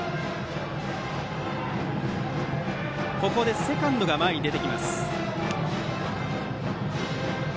ここでセカンドが前に出てきます。